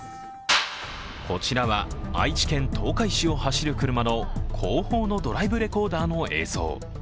こちらは愛知県東海市を走る車の後方のドライブレコーダーの映像。